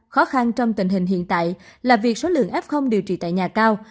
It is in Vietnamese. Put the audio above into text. khó khăn trong tình hình hiện tại là việc số lượng f điều trị tại nhà cao